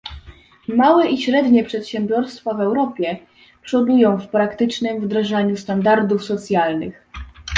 Małe i średnie przedsiębiorstwa w Europie przodują w praktycznym wdrażaniu standardów socjalnych